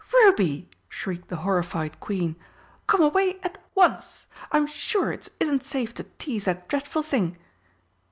"Ruby!" shrieked the horrified Queen, "come away at once! I'm sure it isn't safe to tease that dreadful thing!"